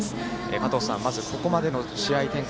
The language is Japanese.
加藤さん、まずここまでの試合展開